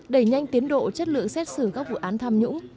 đẩy nhanh tiến độ chất lượng xét xử các vụ án tham nhũng